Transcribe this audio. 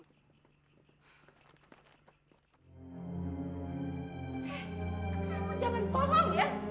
kamu jangan bohong ya